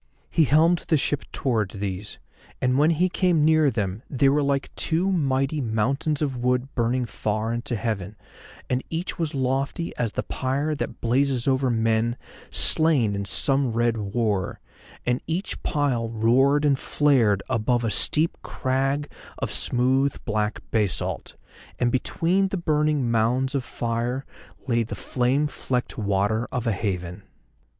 He helmed the ship towards these, and when he came near them they were like two mighty mountains of wood burning far into heaven, and each was lofty as the pyre that blazes over men slain in some red war, and each pile roared and flared above a steep crag of smooth black basalt, and between the burning mounds of fire lay the flame flecked water of a haven.